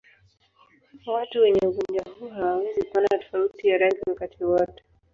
Watu wenye ugonjwa huu hawawezi kuona tofauti ya rangi wakati wote.